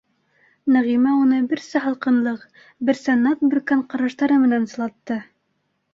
Нәғимә уны берсә һалҡынлыҡ, берсә наҙ бөрккән ҡараштары менән сылатты.